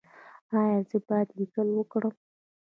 ایا زه باید لیکل وکړم؟